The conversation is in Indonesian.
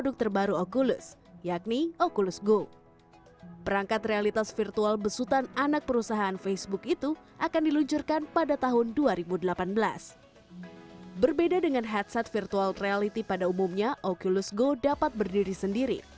hari ini saya senang untuk mengumumkan